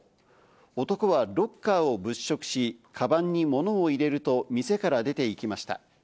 男はロッカーを物色し、かばんに物を入れると店から出て行きました。